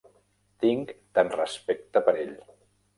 Tinc tant respecte per ell.